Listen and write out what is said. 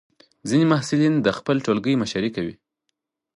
ځینې محصلین د خپل ټولګي مشري کوي.